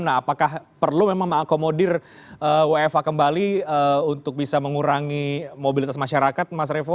nah apakah perlu memang mengakomodir wfh kembali untuk bisa mengurangi mobilitas masyarakat mas revo